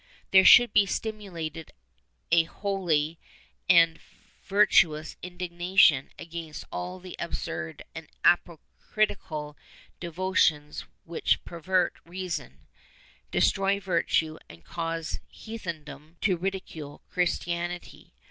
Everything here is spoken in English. There should be stimulated a holy and virtuous indignation against all the absurd and apocryphal devo tions which pervert reason, destroy virtue and cause heathendom to ridicule Christianity.